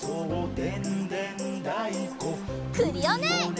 クリオネ！